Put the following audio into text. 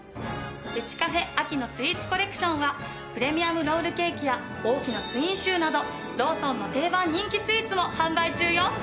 ウチカフェ秋のスイーツコレクションはプレミアムロールケーキや大きなツインシューなどローソンの定番人気スイーツも販売中よ！